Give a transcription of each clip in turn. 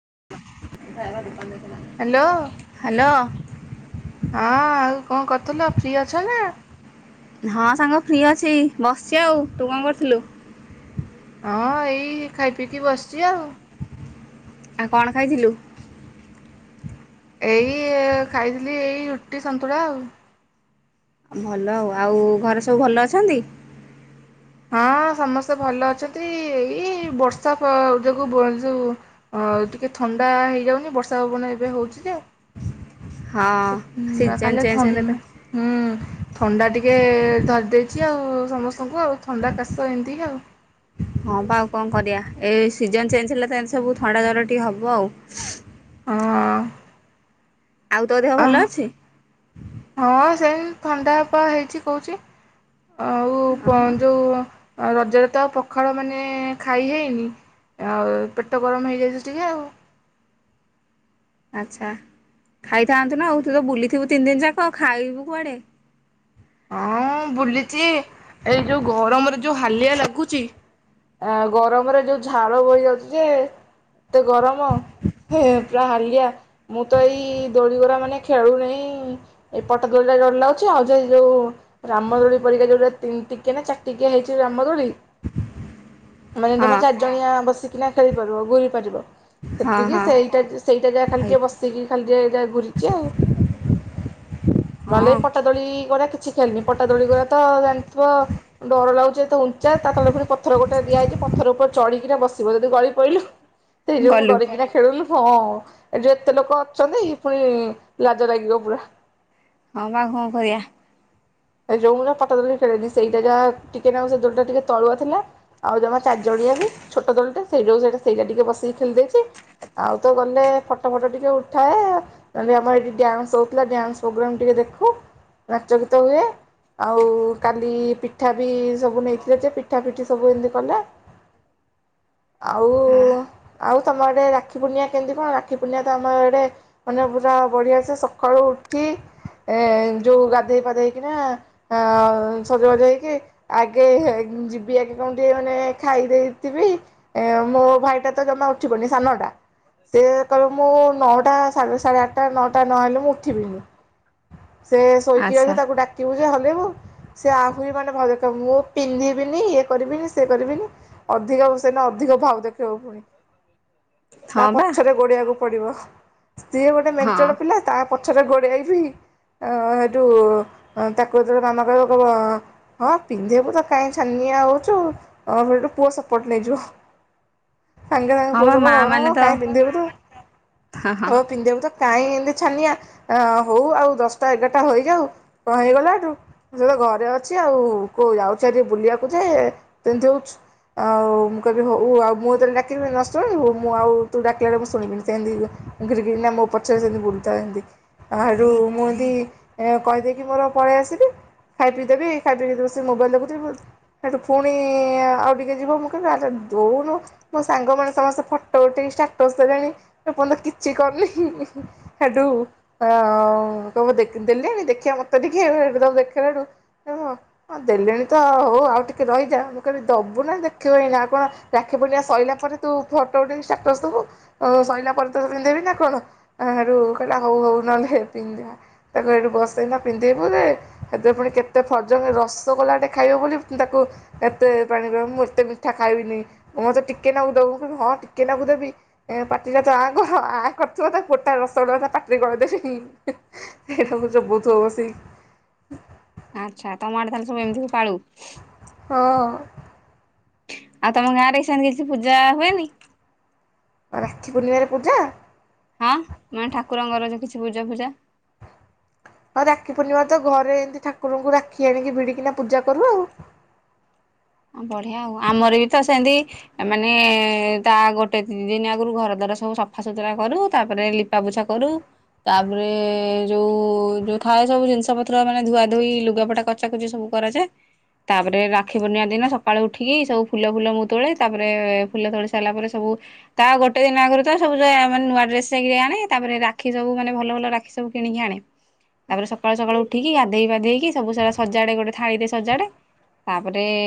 Hello, ହଁ ଆଉ କଣ କରୁଥିଲ ଫ୍ରି ଅଛ ନା? ହଁ ସାଙ୍ଗ ଫ୍ରି ଅଛି ବସିଛି ଆଉ ତୁ କଣ କରୁଥିଲୁ? ହଁ ଏଇ ଖାଇ ପିଇକି ବସିଛି ଆଉ। ଆଉ କଣ ଖାଇଥିଲୁ? ଏଇ ଖାଇଥିଲି ଏଇ ରୁଟି ସନ୍ତୁଳା ଆଉ। ଭଲ ଆଉ ଆଉ ଘରେ ସବୁ ଭଲ ଅଛନ୍ତି? ହଁ ସମସ୍ତେ ଭଲ ଅଛନ୍ତି ଏଇ ବର୍ଷା ଯୋଗୁ ଯଉଁ ଟିକେ ଥଣ୍ଡା ହେଇଯାଉନି ବର୍ଷା ପବନ ଏବେ ହଉଛି ଯେ ୲ ହଁ ସିଜନ୍ ଖାଲି ଚେଞ୍ଜ ଥ ହେଲେ ତ ହୁଁ ଥଣ୍ଡା ଟିକେ ଧରି ଦେଇ ଛି ଆଉ ସମସ୍ତଙ୍କୁ ଆଉ ଥଣ୍ଡା କାଶ ଏମିତି ଆଉ ହଁ ବା ଆଉ କଣ କରିବା ଏଇ ସିଜନ ଚେଞ୍ଜ ହେଲେ ତ ସବୁ ଥଣ୍ଡା ଜ୍ଵର ଟିକେ ହବ ଆଉ ହଁ ଆଉ ତୋ ଦେହ ଭଲ ଅଛି, ହୁଁ ଥଣ୍ଡା ହେ ପା ହେଇଛି କହୁଛି। ଆଉ ପ ହଁ ଯଉଁ ଆ ରଜରେ ତ ପଖାଳ ମାନେ ଖାଇ ହେଇନି ଆଉ ପେଟ ଗରମ ହେଇଯାଇଛି ଟିକେ ଆଉ, ଆଚ୍ଛା ଖାଇଥାନ୍ତୁ ନା ତୁ ତ ବୁଲିଥିବୁ ତିନି ଦିନ ଯାକ ଖାଇବୁ କୁଆଡେ। ହଁ ବୁଲିଚି ଏଇ ଯୋଉ ଗରମରେ ଯୋଉ ହାଲିଆ ଲାଗୁଛି ଗରମରେ ଯୋଉ ଝାଳ ବହି ଯାଉଛି ଯେ ଏତେ ଗରମ ପୁରା ହାଲିଆ ମୁଁ ତ ଏଇ ଦୋଳି ଗୋରା ମାନେ ଖେଳୁନି ଏଇ ପଟା ଦୋଳିଟା ଡର ଲାଗୁଛି ଆଉ। ଯୋଉ ରାମଦୋଳି ପରିକା ଯୋଉଟା ତିନି ଟିକିଆ ନା ଚାରି ଟିକିଆ ହେଇଛି ରାମଦୋଳି ମାନେ ଜମା ହଁ ଚାରି ଜଣିଆ ବସିକିନା ଖେଳିପାରିବ ଘୂରି ପାରିବ ହଁ ସେତିକି ହଁ ସେଇଟା ସେଇଟା ଯାହା ଖାଲି ଆଇ ଟିକେ ବସିକି ଖାଲି ଟିକେ ଯାହା ଘୂରିଛି ଆଉ ନହେଲେ ହଁ ଏଇ ପଟାଦୋଳି ସେ ଗୁରା କିଛି ଖେଳିନି। ପଟା ଦୋଳି ଗୁରା ତ ଜାଣିଥିବ ଡର ଲାଗୁଛି ଇଏ ତ ଉଞ୍ଚା ତା ତଳେ ପୁଣି ପଥର ଗୋଟେ ଦିଆ ହେଇଛି ପଥର ଉପରେ ଚଢିକିନା ବସିବ ଯଦି ଗଳି ପଇଲୁ ସେଇ ଯୋଗୁ ମୁଁ ଗଲୁ ଡରିକିନା ଖେଳୁନି ହଁ। ଏ ଯୋଉ ଏତେ ଲୋକ ଅଛନ୍ତି ପୁଣି ଲାଜ ଲାଗିବ ପୁରା। ହଁ ବା କଣ କରିବା। ସେ ଯୋଉଦିନ ପଟା ଦୋଳି ଖେଳିନି ସେଇଟା ଯାହା ଟିକେ ନାଗୁରୁ ସେ ଦୋଳିଟା ଟିକେ ତଳୁଆ ଥିଲା ଆଉ ଜମା ଚାରିଜଣିଆ ବି ଛୋଟ ଦୋଳିଟେ ସେଇ ଯୋଗୁ ସେ ସେଇଟା ଟିକେ ବସିକି ଖେଳି ଦେଇଛି ଆଉ ତ ଗଲେ ଫଟୋ ଫଟ ଟିକେ ଉଠାଏ ନହେଲେ ଆମର ଏଇଠି ଡ୍ୟାନ୍ସ ହଉଥିଲା ଡ୍ୟାନ୍ସ ପ୍ରୋଗ୍ରାମ ଟିକେ ଦେଖୁ ନାଚ ଗୀତ ହୁଏ। ଆଉ କାଲି ପିଠା ବି ସବୁ ନେଇଥିଲେ ଯେ ପିଠା ପିଠି ସବୁ ଏମିତି କଲା ଆଉ ଆଉ ତମ ଆଡ଼େ ରାକ୍ଷୀ ପୂର୍ଣ୍ଣିମା କେମିତି କଣ ରାକ୍ଷୀ ପୂର୍ଣ୍ଣିମା ତ ଆମ ଏଡ଼େ ମାନେ ପୁରା ବଢ଼ିଆସେ ସକାଳୁ ଉଠି ଏ ଯୋଉ ଗାଧେଇ ପାଧେଇ କିନା ଆ ସଜବାଜ ହେଇକି ଆଗେ ଯିବି ଆଗେ କଣ ଟିକେ ମାନେ ଖାଇ ଦେଇଥିବି ମୋ ଭାଇଟା ତ ଜମା ଉ ଉଠିବନି ସାନଟା ସେ କହିବ ମୁଁ ନଅଟା ସାଢ଼େ ସାଢ଼େ ଆଠଟା ନଅଟା ନହେଲେ ମୁଁ ଉଠିବିନି ସେ ଶୋଇକି ଆଚ୍ଛା ରହିଥିବ ତାକୁ ଡ଼ାକି କେ ହଲେଇବୁ ସେ ଆହୁରି ମାନେ ଭାଉ ଦେଖେଇବ ମୁଁ ପିନ୍ଧିବିନି ଇଏ କରିବିନି ସିଏ କରିବିନି ଅଧିକ ସେନ ଅଧିକ ଭାଉ ଦେଖେଇବ ଫୁଣି ତା ହଁ ବା ପଛରେ ଗୋଡେଇଆକୁ ପଡ଼ିବ। ସିଏ ଗୋଟେ ହଁ ମେଞ୍ଚଡ଼ ପିଲା ତା ପଛରେ ଗୋଡ଼େଇବି ଆ ହେଇଠୁ ହଁ ତାକୁ ଯେତେବେଳେ ମାମା କହିବ କଇବ ହଁ ପିନ୍ଧେଇବୁ ତ କାହିଁ ଛାନିଆ ହଉଛୁୁ ହଁ ହେଇଠୁ ପୁଅ ସପୋର୍ଟ ନେଇଯିବ ସାଙ୍ଗେ ସାଙ୍ଗେ ହଁ ପୁଅ ବା ମା ସପୋର୍ଟ ମାନେ ହଁ ତ କାଇଁ ପିନ୍ଧେଇବୁ ତୁ ହଁ ପିନ୍ଧେଇବୁ ତ କାହିଁ ଏମିତି ଛାନିଆ ହଉ ଆଉ ଦଶଟା ଏଗାରଟା ହୋଇଯାଉ କଣ ହେଇଗଲା ହେଇଠୁ ସେତ ଘରେ ଅଛି ଆଉ କୋଉ ଯାଉଛି ହାରି ବୁଲିବାକୁ ଯେ ସେମିତି ହଉଛୁ ଆଉ ମୁଁ କହିବି ହଉ ଆଉ ମୁଁ ଯେତେବେଳେ ଡାକିବି ନ ଶୁଣିବୁ ମୁଁ ଆଉ ତୁ ଡାକିଲା ବେଳେ ମୁଁ ଶୁଣିବିନି ସେମିତି ଘିରିକିରିନା ମୋ ପଛରେ ସେମିତି ବୁଲୁଥା ସେମତି ଆ ହେଁଠୁ ମୁଁ ଏମତି କହିଦେଇକି କହିକି ମୋର ପଳେଇ ଆସିଲି ଖାଇ ପିଇ ଦେବି ଖାଇ ପିଇକି ଯେତେବେଳେ ସେ ମୋବାଇଲ ଦେଖୁଥିବ ସେଠୁ ପୁଣି ଆଉ ଟିକେ ଯିବ ମୁଁ କହିବି ଆଲୋ ଦଉନୁ ମୋ ସାଙ୍ଗମାନେ ସମସ୍ତେ ଫଟୋ ଉଠେଇ ଷ୍ଟାଟସ୍ ଦେଲେଣି ଏ ପର୍ଯ୍ୟନ୍ତ କିଛି କରିନି ସେଠୁ କହିବ ଦେଖ ଦେଲେଣି ଦେଖିବା ମତେ ତ ଟିକେ ଏକଦମ୍ ଦେଖିଲାଠୁଁ ଦେଲେଣି ତ ହଉ ଆଉ ଟିକେ ରହିଯାଅ ମୁଁ କହିଲି ଦବୁ ନା ଦେଖିବୁ ଏଇନା ଆଉ କଣ ରାକ୍ଷୀ ପୂର୍ଣ୍ଣିମା ସଇଲା ପରେ ତୁ ଫଟୋ ଉଠେଇବୁ ଷ୍ଟାଟସ୍ ଦବୁ ସଇଲା ପରେ ତତେ ପିନ୍ଧେଇବି ନା କଣ ସେଇଠୁ କହିଲା ହଉ ହଉ ନହେଲେ ପିନ୍ଧା ତାକୁ ହେଇଠୁ ବସେଇଲା ପିନ୍ଧେଇବୁରେ ସେଥିରେ ପୁଣି କେତେ ଫର୍ଜଙ୍ଗ ରସଗୋଲାଟେ ଖାଇବ ବୋଲି ମୁଁ ତାକୁ ଏତେ ପାଣି ପିଆଇ ମୁଁ ଏତେ ମିଠା ଖାଇବିନି, ମୁଁ ମୋତେ ଟିକେ ନାକୁ ଦବୁ ହଁ ଟିକେ ନାକୁ ଦେବି ଏଣେ ପାଟିଟା ତୁ ଆଁ କର ଆଁ କରିଥିବ ତାକୁ ଗୋଟା ରସଗୋଲା ପାଟିରେ ଗଳେଇ ଦେବି ସେଇଠୁ ଚୋବୋଉଥିବ ବସି ସି ତୁ ଏମତି ପାଳୁ? ହଁ। ଆଉ ତମ ଗାଁରେ ସେନ୍ତି କିଛି ପୂଜା ହୁଏନି? ରାକ୍ଷୀ ପୂର୍ଣ୍ଣିମାରେ ପୂଜା? ହଁ ମାନେ ଠାକୁରଙ୍କର ଯୋଉ କିଛି ପୂଜା ଫୂଜା ହଁ ରାକ୍ଷୀ ପୂର୍ଣ୍ଣିମା ତ ଘରେ ଏନ୍ତି ଠାକୁରଙ୍କୁ ରାକ୍ଷୀ ଆଣିକି ଭିଡ଼ିକିନା ପୂଜା କରୁ ଆଉ। ବଢିଆ ଆଉ ଆମର ବି ତ ସେନ୍ତି ମାନେ ତା ଗୋଟେ ଦି ତିନି ଦିନ ଆଗୁରୁ ଘର ଦ୍ଵାର ସବୁ ସଫା ସୁୁତୁରା କରୁ ତାପରେ ଲିପା ପୋଛା କରୁ, ତାପରେ ଯୋଉ ଯୋଉ ଥାଏ ସବୁ ଜିନିଷ ପତ୍ର ମାନେ ଧୁଆ ଧୁଇ ଲୁଗାପଟା କଚା କଚି ସବୁ କରାଯାଏ ତାପରେ ରାକ୍ଷୀ ପୂର୍ଣ୍ଣିମା ଦିନ ସକାଳୁ ଉଠିକି ସବୁ ଫୁଲ ଫୁଲ ମୁଁ ତୋଳେ ତାପରେ ଫୁଲ ତୋଳି ସାରିଲା ପରେ ସବୁ ତା ଗୋଟେ ଦିନ ଆଗରୁ ତ ସବୁ ମାନେ ନୂଆ ଡ୍ରେସ ଯାଇକିରି ଆଣେ ତାପରେ ରାକ୍ଷୀ ସବୁ ମାନେ ଭଲ ଭଲ ରାକ୍ଷୀ ସବୁ କିଣିକି ଆଣେ ତାପରେ ସକାଳୁ ସକାଳୁ ଉଠିକି ଗାଧେଇ ପାଧେଇକି ସବୁ ସେଇରା ସଜାଡେ ଗୋଟେ ଥାଳିରେ ସଜାଡେ ତାପରେ ରେ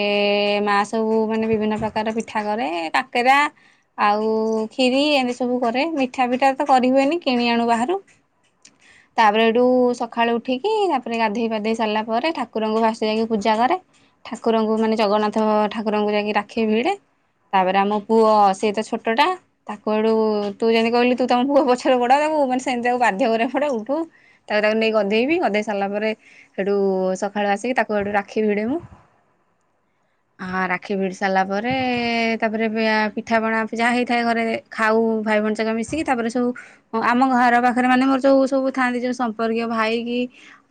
ମା ସବୁ ମାନେ ବିଭିନ୍ନ ପ୍ରକାର ର ପିଠା କରେ। କାକେରା, ଆଉ କ୍ଷୀରି ଏମିତି ସବୁ କରେ, ମିଠା ଫିଠା ତ କରିହୁଏନି କିଣି ଆଣୁ ବାହାରୁ ତା ପରେ ହେଇଠୁ ସଖାଳୁ ଉଠିକି ତା ପରେ ଗାଧେଇ ପାଧେଇ ସାରିଲା ପରେ ଠାକୁରଙ୍କୁ ଫାଷ୍ଟ ଯାଇକି ପୂଜା କରେ। ଠାକୁରଙ୍କୁ ମାନେ ଜଗନ୍ନାଥ ଠାକୁରଙ୍କୁ ଯାଇକି ରାକ୍ଷୀ ଭିଡ଼େ ତାପରେ ଆମ ପୁଅ ସିଏ ତ ଛୋଟଟା ତାକୁ ସେଇଠୁ ତୁ ଯେମିତି କହିଲୁ ତୁ ତମ ପୁଅ ପଛରେ ଗୋଡ଼ାଉ ତାକୁ ମାନେ ସେମତି ତାକୁ ବାଧ୍ୟ କରିବାକୁ ପଡ଼େ ଉଠୁ ତାକୁ ତାକୁ ନେଇ ଗଦେଇବି ଗଦେଇ ସାରିଲା ପରେ ସେଇଠୁ ସକାଳୁ ଆସିକି ତାକୁ ସେଠୁ ରାକ୍ଷୀ ଭିଡ଼େ ମୁଁ ଆ ରାକ୍ଷୀ ଭିଡି ସାରିଲା ପରେ ତାପରେ ପିଠାପଣା ଯାହା ହେଇଥାଏ ଘରେ ଖାଉ ଭାଇ ଭଉଣୀ ଯାକ ମିଶିକି ତାପରେ ସବୁ ଆମ ଘର ପାଖରେ ମାନେ ମୋର ଯୋଉ ସବୁ ଥାନ୍ତି ଯୋଉ ସମ୍ପର୍କୀୟ ଭାଇ କିି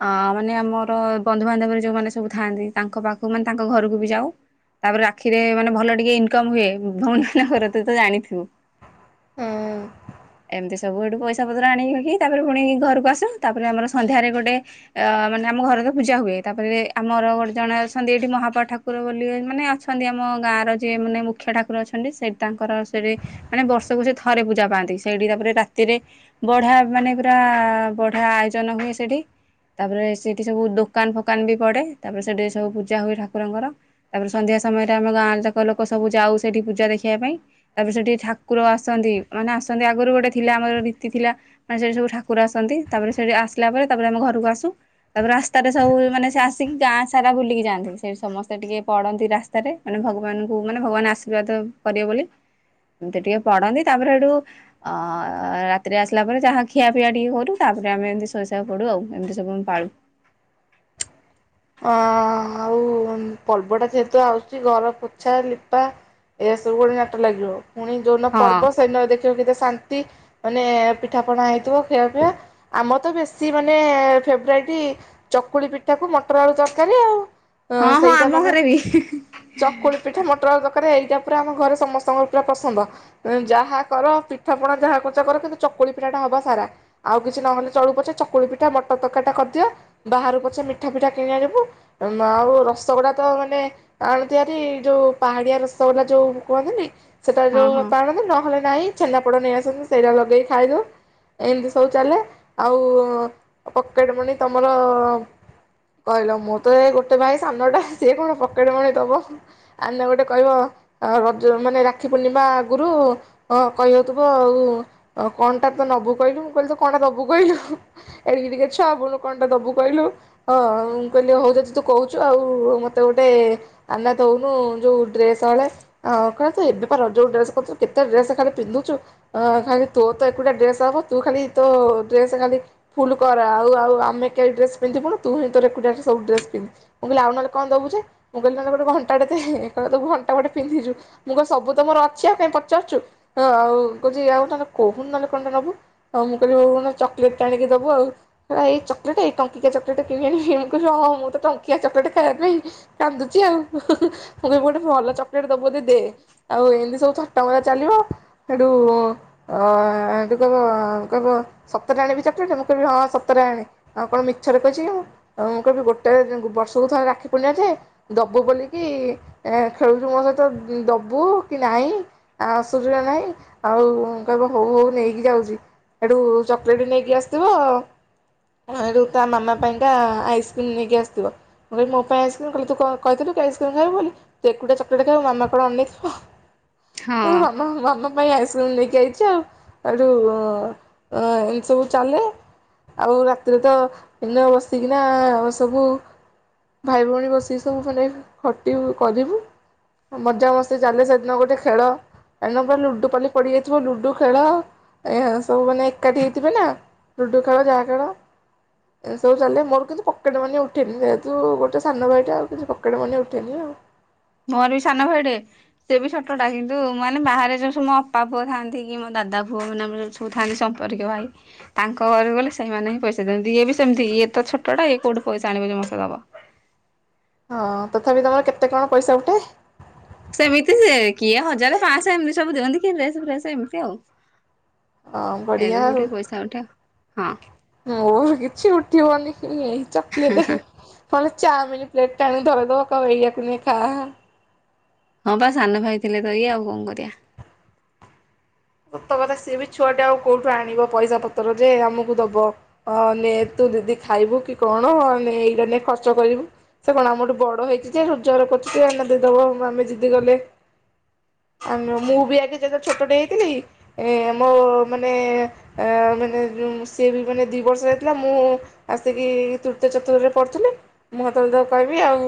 ଅ ମାନେ ଆମର ବନ୍ଧୁବାନ୍ଧବରେ ଯୋଉମାନେ ସବୁ ଥାଆନ୍ତି ତାଙ୍କ ପାଖକୁ ମାନେ ତାଙ୍କ ଘରକୁ ବି ଯାଉ ତାପରେ ରାକ୍ଷୀରେ ମାନେ ଭଲ ଟିକେ ଇନକମ ହୁଏ ଭଉଣୀ ମାନଙ୍କର ତୁ ତ ଜାଣିଥିବୁ ହୁଁ ଏମିତି ସବୁ ଏଇଠୁ ପଇସା ପତ୍ର ଆଣିକିି ତାପରେ ପୁଣି ଘରକୁ ଆସୁ ତାପରେ ଆମର ସନ୍ଧ୍ୟାରେ ଗୋଟେ ଅ ମାନେ ଆମ ଘରେ ତ ପୂଜା ହୁଏ। ତାପରେ ଆମର ଗୋଟେ ଜଣେ ଅଛନ୍ତି ଏଇଠି ମହାପାଠାକୁ ଠାକୁର ବୋଲି ମାନେ ଅଛନ୍ତି ଆମ ଗାଁର ଯିଏ। ମାନେ ମୁଖ୍ୟ ଠାକୁର ଅଛନ୍ତି ସେଠି ତାଙ୍କର ସେଠି ମାନେ ବର୍ଷକୁ ସେ ଥରେ ପୂଜା ପାଆନ୍ତି। ସେଇଠି ତାପରେ ରାତିରେ ବଢିଆ ମାନେ ପୁରା ବଢିଆ ଆୟୋଜନ ହୁଏ। ସେଠି ତାପରେ ସେଇଠି ସବୁ ଦୋକାନ ଫୋକାନ ବି ପଡେ ତାପରେ ସେଠି ସବୁ ପୂଜା ହୁଏ ଠାକୁରଙ୍କର ତାପରେ ସନ୍ଧ୍ୟା ସମୟରେ ଆମ ଗାଁରେ ଯାକ ଲୋକ ସବୁ ଯାଉ ସେଠି ପୂଜା ଦେଖିବା ପାଇଁ, ତାପରେ ସେଠି ଠାକୁର ଆସନ୍ତି ମାନେ ଆସନ୍ତି ଆଗରୁ ଗୋଟେ ଥିଲା ଆମର ରୀତି ଥିଲା ମାନେ ସେଠି ସବୁ ଠାକୁର ଆସନ୍ତି। ତାପରେ ସେଠି ଆସିଲା ପରେ ତାପରେ ଆମ ଘରକୁ ଆସୁ ତାପରେ ରାସ୍ତାରେ ସବୁ ମାନେ ସେ ଆସିକି ଗାଁ ସାରା ବୁଲିକି ଯାଆନ୍ତି ସେଠି ସମସ୍ତେ ସେ ଟିକେ ପଡନ୍ତି ରାସ୍ତାରେ ମାନେ ଭଗବାନଙ୍କୁ ମାନେ ଭଗବାନ ଆଶୀର୍ବାଦ କରିବେ ବୋଲି। ଏମିତି ଟିକେ ପଡନ୍ତି ତାପରେ ସେଇଠୁ ଅ ରାତିରେ ଆସିଲା ପରେ ଯାହା ଖିଆ ପିଆ ଟିକେ କରୁ ତାପରେ ଆମେ ଏମିତି ଶୋଇଶୁଆ ପଡୁ ଆଉ ଏମିତି ସବୁ ଆମେ ପାଳୁ ଅ ଆଉ ପର୍ବଟା ଯେହେତୁ ଆସଛି ଘର ପୋଛା ଲିପା ଏସବୁ ଗୋଟେ ନାଟ ଲାଗିବଉ ପୁଣି ଯୋଉନ ହଁ ପର୍ବ ସେନ ଦେଖିବା କେତେ ଶାନ୍ତି ମାନେ ପିଠାପଣା ହେଇଥିବ ଖିଆ ପିଆ, ଆମ ତ ବେଶୀ ମାନେ ଫେବରାଇଟ୍ ଚକୁଳି ପିଠାକୁ ମୋ ପଟାଳୁ ତରକାରୀ ଆଉ ଅ ହଁ ହଁ ସେଇଟା ଆମ ମାନେ ଘରେ ବି ଚକୁଳି ପିଠା ମଟର ଦରକାର ଏଇ ଏଟା ପୁରା ଆମ ଘରେ ସମସ୍ତଙ୍କର ପୁରା ପସନ୍ଦ ଯାହା କର ପିଠା ପଣା ଯାହା କରୁଚ କର କିନ୍ତୁ ଚକୁଳି ପିଠା ଟା ହବ ସାରା ଆଉ କିଛି ନହେଲେ ଚଳୁ ପଛେ ଚକୁଳି ପିଠା ମଟର ତର ଟା କରିଦିଅ ବାହାରୁ ପଛେ ମିଠା ପିଠା କିଣିବା ଯିବୁ ଆଉ ରସଗୁଡ଼ା ତ ମାନେ ଆଣୁ ତିଆରି ଯେଉ ପାହାଡ଼ିଆ ରସଗୁଲା ଯୋଉଁ କୁହନ୍ତିିନି। ସେଟା ହଁ ଯୋଉ ହଁ ପାର ନହେଲେ ନାହିଁ ଛେନାପୋଡ଼ ନେଇ ଆସୁଚୁ ସେଇଟା ଲଗେଇି ଖାଇଦଉ। ଏମିତି ସବୁ ଚାଲେ ଆଉ ପକେଟ ମନି ତମର କହିଲ ମୁଁ ତ ଏ ଗୋଟେ ଭାଇ ସାନ ଟା ସିଏ କଣ ପକେଟ ମନି ଦବ ଆନା ଗୋଟେ କହିବ ରଜ ମାନେ ରାକ୍ଷୀ ପୂର୍ଣ୍ଣିମା ଆଗରୁ ହଁ କହିହଉଥିବ ଆଉ କଣଟା ତ ନବୁ କହିଲୁ ମୁଁ କହିଲି ତ କଣ ଦବୁ କହିଲୁ ଏଡିକି ଟିକେ ଛ ବୁନୁ କଣଟା ଦବୁ କହିଲୁ। ହଁ ମୁ କହିଲି ହଉ ଯଦି ତୁ କହୁଛୁ ଆଉ ମୋତେ ଗୋଟେ ଆନା ଦେଉନୁ ଯେଉଁ ଡ୍ରେସ୍ ହଳେ ଆଉ କହିଲା ତୁ ଏବେ ପା ରଜ କୁ ଡ୍ରେସ୍ କରିଛୁ କେତେ ଡ୍ରେସ୍ ଖାଲି ପିନ୍ଧୁଛୁ ଖାଲି ତୋର ତ ଏକୁଟିଆ ଡ୍ରେସ୍ ହବ ତୁ ଖାଲି ତୋ ଡ୍ରେସ୍ ଖାଲି ଫୁଲ କର ଆଉ ଆଉ ଆମେ କେହି ଡ୍ରେସ୍ ପିନ୍ଧିବୁନୁ। ତୁ ହିଁ ତୋର ଏକୁଟିଆ ସବୁ ଡ୍ରେସ୍ ପିନ୍ଧିବୁ। ମୁଁ କହିଲି ଆଉ ନେହଲେ କଣ ଦେବୁ ଯେ ମୁ କହିଲି ନ ହେଲେ ଗୋଟେ ଘଣ୍ଟାଟେ ଦେ। ଦବୁ ଘଣ୍ଟା ଗୋଟେ ପିନ୍ଧିଛୁ ମୁଁ କହିଲି ସବୁ ତ ମୋର ଅଛି ଆଉ କାଇହିଁ ପଚାରୁଚୁ ହଁ ଆଉ କହୁଚି ଆଉ ନହେଲେ କହୁନୁ ନହଲେ କଣ ଟେ ନବୁ ଆଉ ମୁଁ କହିଲି ହୋଉ ନହେଲେ ଚକଲେଟ ଟେ ଆଣିକି ଦବୁ ଆଉ କ ଏଇ ଚକଲେଟ ଏଇ ଟଙ୍କିକିଆ ଚକ କିଆ ଟେ କିଣି ଆଣିବି ମୁଁ କହିଲି ହଁ ମୁଁ ତ ଟଙ୍କିଆ ଚକଲେଟ ଖାଇବା ପାଇଁ କାନ୍ଦୁଛି ଆଉ ମୁଁ କହିବି ଗୋଟେ ଭଲ ଚକୋଲେଟ ଦବୁ ଯଦି ଦେ ଆଉ ଏମିତି ସବୁ ଥଟ୍ଟା ମଜା ଚାଲିବ ହେଠୁ ଅ କହିବ କହିବ ସତରେ ଆଣିବି ଚକିଲେଟ ମୁଁ କହିବି ହଁ ସତରେ ଆଣେ ଆଉ କଣ ମିଛ ଛରେ କହିଛି ମୁଁ ମୁଁ କହିବି ଗୋଟିଏ ବର୍ଷକୁ ଥରେ ରାକ୍ଷୀ ପୁର୍ଣିମା ଥାଏ। ଦବୁ ବୋଲିକି ଆ ଖେଳୁଛୁ ମୋ ସହିତ ଦେବୁ କି ନାହିଁ ଆସୁଛୁ ନା ନାହିଁ ଆଉ କହିବ ହଉ ହଉ ନେଇକି ଯାଉଛି ଏଠୁ ଚକଲେଟ୍ ନେଇକି ଆସିଥିବ ଏଠୁ ତା ମାମା ପାଇଁକା ଆଇସ୍କ୍ରିମ୍ ନେଇକି ଆସଥିବ ମୁଁ କହିବି ମୋ ପାଇଁ ଆଇସ୍କ୍ରିମ୍ କହିଲା ତୁ କଣ କହିଥିଲୁ କି ଆଇସ୍କ୍ରିମ୍ ଖାଇବୁ ବୋଲିକି ତୁ ଏକୁଟିଆ ଚକଲେଟ୍ ଖାଇବୁ ମାମା କଣ ଅନଣେଇଥିବ? ହ ହଁ। ମା ମାମା ପାଇଁ ଆଇସ୍କ୍ରିମ୍ ମ ନେଇକି ଆଇଛ ହେଇଠୁ ଏଁ ଏମିତି ସବୁ ଚାଲେ ଆଉ ରାତିରେ ତ ଏହନ ବସିକିନା ଆମେସବୁ ଭାଇ ଭଉଣୀ ବସିକି ସବୁ ମାନେ ଖଟିବୁ କରିବୁ ମଜା ମସ୍ତି ଚାଲେ ସେଦିନ ଗୋଟେ ଖେଳ ସେଦିନ ପୁରା ଲୁଡୁ ପାଲି ପଡିଯାଇଥିବ ଲୁଡୁ ଖେଳ ସବୁ ମାନେ ଏକାଠି ହେଇଥିବେ ନା ଲୁଡ଼ୁ ଖେଳ ଯାହା ଖେଳ। ଏ ସବୁ ଚାଲେ ମୋର କିଛି ପକେଟମନି ଉଠେନି ଯେହେତୁ ଗୋଟେ ସାନ ଭାଇଟା ଆଉ କିଛି ପକେଟେ ମନି ଉଠେନି ଆଉ। ମୋର ବି ସାନ ଭାଇଟେ ସିଏ ବି ଛୋଟ ଟା କିନ୍ତୁ ମାନେ ବାହାରେ ଯୋଉ ସବୁ ମୋ ଅପା ପୁଅ ଥାନ୍ତି କି ମୋ ଦାଦା ପୁଅ ମାନେ ଯୋଉ ଥାନ୍ତି ସମ୍ପର୍କୀୟ ଭାଇ ତାଙ୍କ ଘରୁକୁ ଗଲେ ସେଇମାନେ ହିଁ ପଇସା ଦିଅନ୍ତି ଇଏ ବି ସେମିତି ଇଏ ତ ଛୋଟ ଟା ଇଏ କୋଉଠି ପଇସା ଆଣିବ ଯେ ମତେ ଦବ। ହଁ ତଥାପି ତମର କେତେ କଣ ପଇସା ଉଠେ? ସେମିତି ସିଏ କିଏ ହଜାରେ ପାଁସହ ଏମିତି ସବୁ ଦିଅନ୍ତି କିଏ ଡ୍ରେସ୍ ଫ୍ରେସ ଏମିତି ଆଉ। ହଁ ବଢିଆ ଏମିତି ସବୁ ଆଉ ଟିକେ ପଇସା ଉଠେ ଆଉ। ହଁ ମୋର କିଛି ଉଠିବନି ଏଇ ଚକଲେଟ ନ ହେଲେ ଚାଓମିିନ ପ୍ଲେଟ ଟେ ଆଣି ଧରେଇ ଦବ କହିବ ଏଇଆକୁ ନେ ଖା। ହଁ ବା ସାନ ଭାଇ ଥିଲେ ତ ଏଇ ଆଉ କଣ କରିବା। ସତେ କଥା ସିଏ ବି ଛୁଆ ଟେ ଆଉ କୋଉଠୁ ଆଣିବ ପଇସା ପତର ଯେ ଆମକୁ ଦବ ଅ ନେ ତୁ ଦିଦି ଖାଇବୁ କି କଣ ନେ ଏଇଟା ନେ ଖର୍ଚ୍ଚ କରିବୁ। ସେ କଣ ଆମଠୁ ବଡ ହେଇଛି ଯେ ରୋଜଗାର କରୁଛି ଯେ ଏଇନା ଦେଇଦବ ଆମେ ଯିଦି କଲେ। ଆମେ ମୁଁ ବି ଆଗେ ଯେତେ ଛୋଟ ଟେ ହେଇଥି ଥିଲି ଏ ମୋ ମାନେ ମାନେ ମୁଁ ସିଏ ବି ମାନେ ଦି ବର୍ଷ ହେଇଥିଲା ମୁଁ ଆସିକି ତୃତୀୟ ଚତୁର୍ଥ ରେ ପଢ଼ୁଥିଲି ମୁଁ ହେତେବେଳେ ତାକୁ କହିବି ଆଉ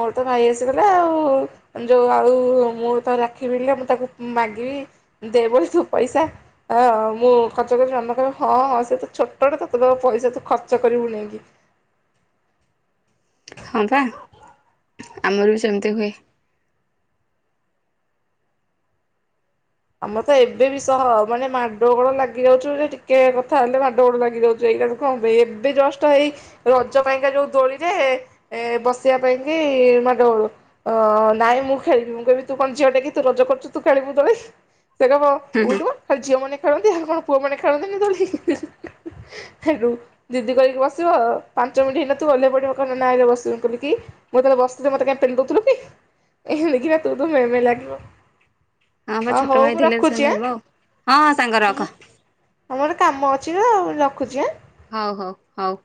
ମୋର ତ ଭାଇ ଆସିଗଲା ଆଉ ଯୋଉ ଆଉ ମୁଁ ତ ରାକ୍ଷୀ ଭିଡ଼ିଲେ ମୁଁ ତାକୁ ମାଗିବି ଦେବ ତୁ ପଇସା ଆ ମୁଁ ଖର୍ଚ୍ଚ କରିବି। ମାମା କହିବ ହଁ ସେ ତ ଛୋଟ ଟେ ତତେ ଦବ ପଇସା ତୁ ଖର୍ଚ୍ଚ କରିବୁ ନେଇକି। ହଁ ପା ଆମର ବି ସେମିତି ହୁଏ। ଆମର ତ ଏବେ ବି ସହ ମାନେ ମାଡ ଗୋଳ ଲାଗି ଯାଉଛୁ ଯେ ଟିକେ କଥା ହେଲେ ମାଡ ଗୋଳ ଲାଗି ଯାଉଛୁ। ଏଇଲାଗେ କଣ ହବ ଏବେ ଜଷ୍ଟ ଏଇ ରଜ ପାଇଁକା ଯୋଉ ଦୋଳିରେ ଏ ବସିବା ପାଇଁ କିି ମାଡଗୋଳ ନାଇଁ ମୁଁ ଖେଳିବି ମୁଁ କହିବି ତୁ କଣ ଝିଅ ଟେ କି ତୁ ରଜ କରୁଛୁ ତୁ ଖେଳିବୁ ଦୋଳି। ସେ କହିବ ଉଠୁ ମ ଖାଲି ଝିଅ ମେ ଖେଳନ୍ତି ଆଉ କଣ ପୁଅମାନୋନେ ଖେଳନ୍ତିନି ଦୋଳି ହେଠୁ ଦିଦି କହିକି ବସିବ ପାଞ୍ଚ ମିନିଟ୍ ହେଇ ନଥିବ ଓହ୍ଲେଇ ପଡିବ କହିବ ନାଁ ଆଇନା ବସିବୁ କହଲି କି ମୁଁ ଆଗେ ବସିଥିଲି ମୋତେ କାଇଁ ପେଲିଦେଉଥିଲୁ କି ଏଇ ନେଇକି ନା ତୁ ମେ ମେ ଲାଗିବୁ। ହଁ ବା ଛୋଟ ଭାଇ ଥିଲେ ବି ସେମିତି ହବ ଆଉ ହଁ ହଁ ସାଙ୍ଗ ଆମ ରଖ। ଆମର କାମ ଅଛି ନା ଆଉ ରଖୁଛି ଆଁ। ହଉ ହଉ ହଉ।